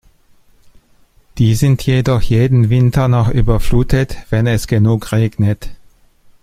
Die sind jedoch jeden Winter noch überflutet, wenn es genug regnet.